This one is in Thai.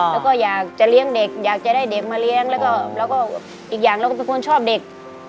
แล้วก็อยากจะเลี้ยงเด็กอยากจะได้เด็กมาเลี้ยงแล้วก็อีกอย่างเราก็เป็นคนชอบเด็ก